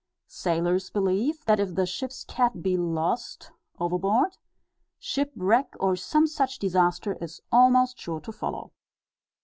Sailors believe, that, if the ship's cat be lost overboard, shipwreck, or some such disaster, is almost sure to follow.